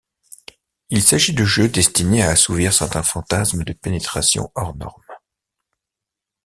Il s'agit de jeux destinés à assouvir certains fantasmes de pénétrations hors norme.